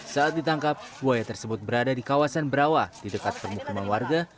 saat ditangkap buaya tersebut berada di kawasan berawa di dekat permukiman warga